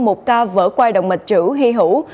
một ca vỡ quai động mạch trữ hy hữu